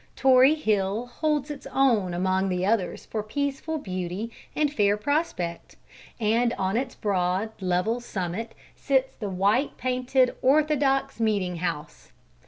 Tory Hill holds its own among the others for peaceful beauty and fair prospect, and on its broad, level summit sits the white painted Orthodox Meeting House.